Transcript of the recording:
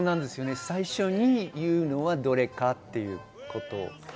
最初に言うのは、どれかということですね。